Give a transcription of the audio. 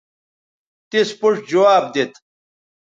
تس پوڇ جواب دیت